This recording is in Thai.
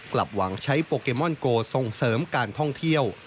กลับหวังใช้โปเกมอนโกส่งเสริมการท่องเที่ยว